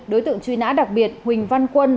đối tượng truy nã đặc biệt huỳnh văn quân